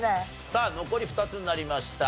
さあ残り２つになりました。